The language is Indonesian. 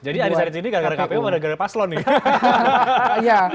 jadi hari ini karena kpu gara gara paslon nih